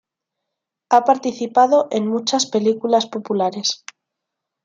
Ha participado en muchas películas populares.